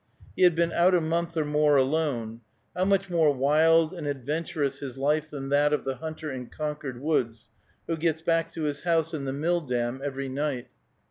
He had been out a month or more alone. How much more wild and adventurous his life than that of the hunter in Concord woods, who gets back to his house and the mill dam every night!